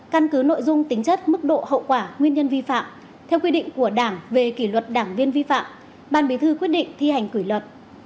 căn cứ nội dung tính chất mức độ hậu quả nguyên nhân vi phạm theo quy định của đảng về kỷ luật đảng viên vi phạm ban bí thư quyết định thi hành kỷ luật